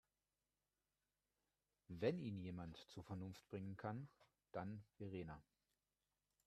Wenn ihn jemand zur Vernunft bringen kann, dann Verena.